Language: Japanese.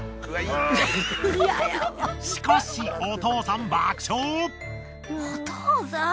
しかしお父さん爆笑！